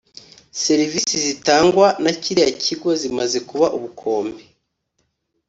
serivisi zitangwa na kiriya kigo zimaze kuba ubukombe